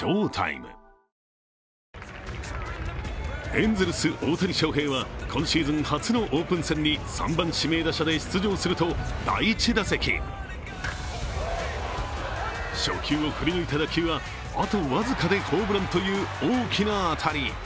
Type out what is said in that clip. エンゼルス・大谷翔平は今シーズン初のオープン戦に３番・指名打者で出場すると第１打席初球を振り抜いた打球は、あと僅かでホームランという大きな当たり。